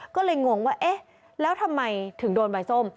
ก็เลยงงว่าเอ๊ะแล้วทำไมถึงโดนใบส้ม